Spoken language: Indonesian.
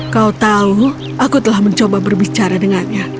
kau tahu aku telah mencoba berbicara dengannya